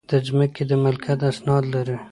د ځمکې د ملکیت اسناد لرئ؟